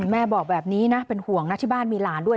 แม่บอกแบบนี้นะเป็นห่วงนะที่บ้านมีหลานด้วย